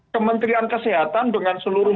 kementerian kesehatan dengan seluruh